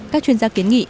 các chuyên gia kiến nghị